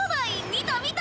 見た見た？